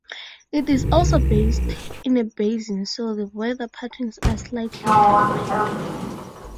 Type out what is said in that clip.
It is also based in a basin so the weather patterns are slightly different.